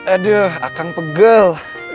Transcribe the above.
aduh akang pegel